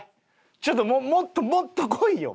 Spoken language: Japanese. ちょっともっともっとこいよ！